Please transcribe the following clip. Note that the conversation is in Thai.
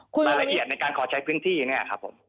รายละเอียดในการขอใช้พื้นที่เนี่ยครับผม